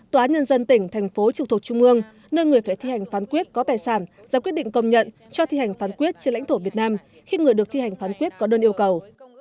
tòa án nhân dân tỉnh thành phố trực thuộc trung ương nơi người phải thi hành phán quyết có tài sản ra quyết định công nhận cho thi hành phán quyết trên lãnh thổ việt nam khi người được thi hành phán quyết có đơn yêu cầu